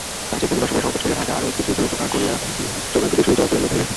কাজেই পড়িবার সময় সংকোচ করিয়া তাহাকে আরো একটি টুইশনির জোগাড় করিয়া লইতে হইল।